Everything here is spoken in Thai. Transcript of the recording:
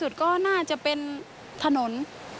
อยู่ในด้านดีนที่สุดก็น่าจะเป็นถนน